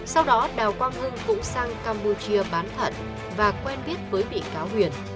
sau đó đào quang hưng cũng sang campuchia bán thận và quen biết với bị cáo huyền